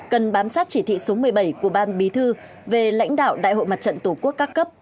cần bám sát chỉ thị số một mươi bảy của ban bí thư về lãnh đạo đại hội mặt trận tqc